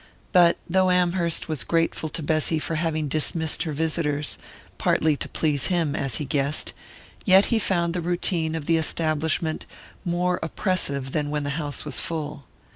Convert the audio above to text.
But, though Amherst was grateful to Bessy for having dismissed her visitors partly to please him, as he guessed yet he found the routine of the establishment more oppressive than when the house was full.